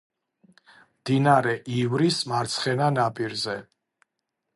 მდინარე ივრის მარცხენა ნაპირზე.